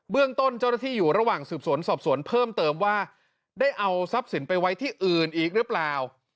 เรื่องต้นเจ้าหน้าที่อยู่ระหว่างสืบสวนสอบสวนเพิ่มเติมว่าได้เอาทรัพย์สินไปไว้ที่อื่นอีกหรือเปล่า